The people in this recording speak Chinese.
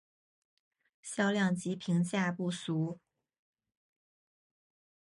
销量及评价不俗。